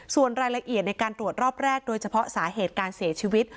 ส่วนรายละเอียดในการตรวจรอบแรกโดยเฉพาะสาเหตุการเสียชีวิต